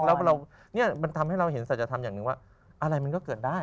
แล้วเนี่ยมันทำให้เราเห็นศัลยธรรมอย่างหนึ่งว่าอะไรมันก็เกิดได้